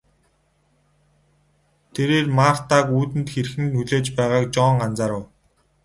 Тэрээр Мартаг үүдэнд хэрхэн хүлээж байгааг Жон анзаарав.